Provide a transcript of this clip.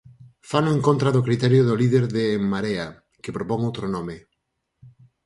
Fano en contra do criterio do líder de En Marea, que propón outro nome.